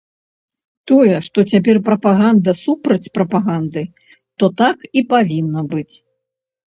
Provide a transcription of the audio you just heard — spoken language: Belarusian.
Тое, што цяпер прапаганда супраць прапаганды, то так і павінна быць.